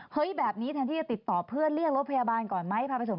เฮ้ยแบบนี้แทนที่จะติดต่อเพื่อนเรียกรถพยาบาลก่อนไหม